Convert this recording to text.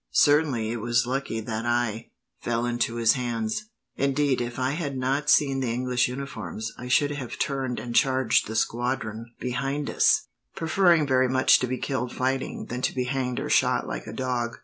"Certainly, it was lucky that I fell into his hands. Indeed, if I had not seen the English uniforms, I should have turned and charged the squadron behind us; preferring very much to be killed fighting, than to be hanged or shot like a dog."